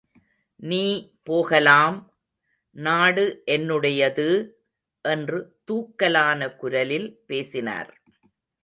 நீ போகலாம்!... நாடு என்னுடையது!... என்று தூக்கலான குரலில் பேசினார்.